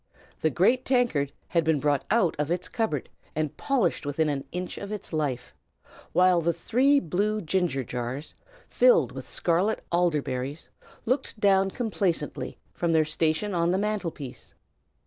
The great tankard had been brought out of its cupboard, and polished within an inch of its life; while the three blue ginger jars, filled with scarlet alder berries, looked down complacently from their station on the mantelpiece.